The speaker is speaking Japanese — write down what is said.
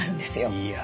いや。